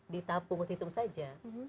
ditapu hitung saja